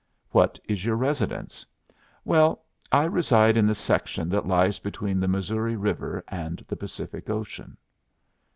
"What is your residence?" "Well, I reside in the section that lies between the Missouri River and the Pacific Ocean."